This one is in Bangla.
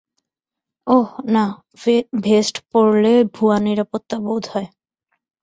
ওহ, না, ভেস্ট পরলে ভুয়া নিরাপত্তা বোধ হয়।